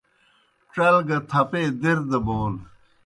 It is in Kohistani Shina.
ڇل گہ تھپے دِر دہ بون۔